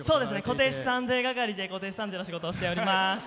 固定資産税係で固定資産税の仕事をしています。